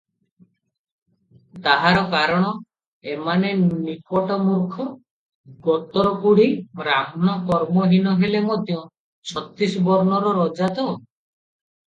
ତାହାର କାରଣ, ଏମାନେ ନିପଟ ମୂର୍ଖ, ଗତରକୁଢ଼ି, ବ୍ରାହ୍ମଣ କର୍ମହୀନ ହେଲେ ମଧ୍ୟ ଛତିଶ ବର୍ଣ୍ଣର ରଜା ତ!